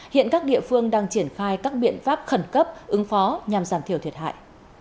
hiện các địa phương đang triển khai các biện pháp khẩn cấp ứng phó nhằm giảm thiểu thiệt hại